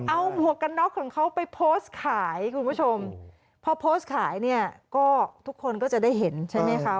เอาหมวกกันน็อกของเขาไปโพสต์ขายคุณผู้ชมพอโพสต์ขายเนี่ยก็ทุกคนก็จะได้เห็นใช่ไหมคะ